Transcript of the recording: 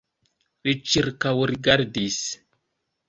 Li ĉirkaŭrigardis.